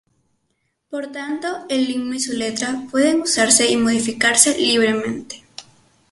Por tanto, el himno y su letra pueden usarse y modificarse libremente.